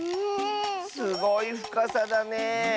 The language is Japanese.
すごいふかさだね。